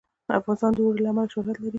افغانستان د اوړي له امله شهرت لري.